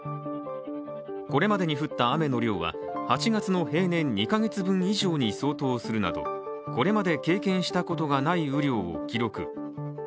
これまでに降った雨の量は８月の平年２カ月分以上に相当するなどこれまで経験したことがない雨量を記録。